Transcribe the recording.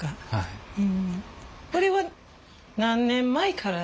これは何年前から？